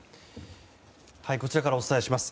こちらからお伝えします。